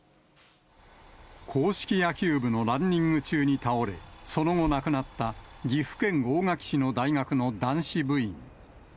硬式野球部のランニング中に倒れ、その後亡くなった岐阜県大垣市の大学の男子部員。